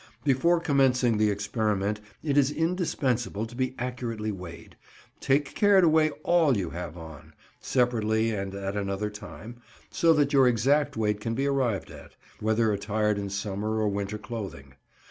Before commencing the experiment it is indispensable to be accurately weighed, taking care to weigh all you have on (separately and at another time), so that your exact weight can be arrived at, whether attired in summer or winter clothing.